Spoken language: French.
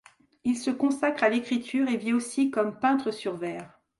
Il se consacre à l'écriture et vit aussi comme peintre sur verre.